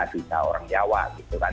di jawa orang jawa gitu kan